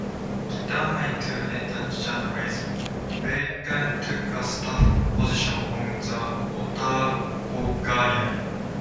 Determined to enter journalism, Bracken took a staff position on the "Otago Guardian".